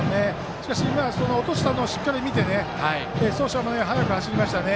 しかし、今落としたのをしっかり見て走者、速く走りましたよね。